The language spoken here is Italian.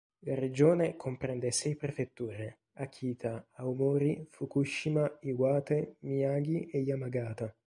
La regione comprende sei prefetture: Akita, Aomori, Fukushima, Iwate, Miyagi e Yamagata.